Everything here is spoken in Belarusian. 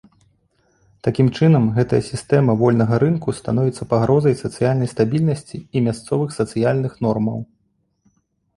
Такім чынам, гэтая сістэма вольнага рынку становіцца пагрозай сацыяльнай стабільнасці і мясцовых сацыяльных нормаў.